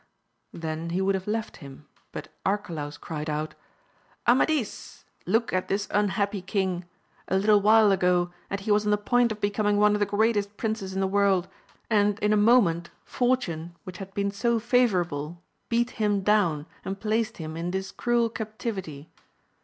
Then he would have left him ; but Arcalaus cried out, Amadis^ look at this unhappy king ! a little while ago, and he was on the point of becoming one of the greatest princes in the world, and in a moment fortune, which had been so favourable, beat him down, and placed him in this cruel captivity.